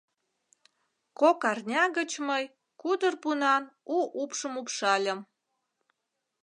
Кок арня гыч мый кудыр пунан у упшым упшальым.